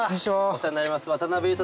お世話になります